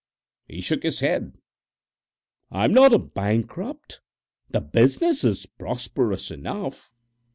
He shook his head. "I'm not a bankrupt, the business is prosperous enough.